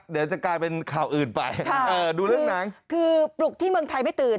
เดี๋ยวจะกลายเป็นข่าวอื่นไปดูเรื่องหนังคือปลุกที่เมืองไทยไม่ตื่น